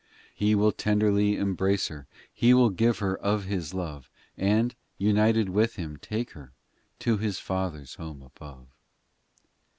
xv He will tenderly embrace her, He will give her of His love, And, united with Him, take her, To His Father s home above.